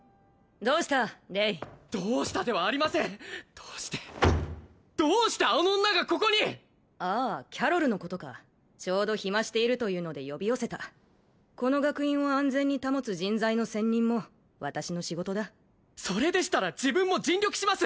どうしたレイどうしたではありませんどうしてどうしてあの女がここに！ああキャロルのことかちょうど暇しているというので呼び寄せたこの学院を安全に保つ人材の選任も私の仕事だそれでしたら自分も尽力します！